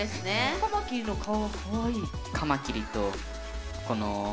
カマキリの顔かわいい。